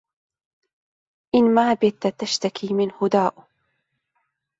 إن ما بت تشتكي منه داء